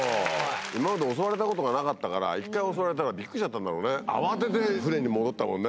今まで襲われたことがなかったから一回襲われたらびっくりしちゃったんだろうね慌てて船に戻ったもんね。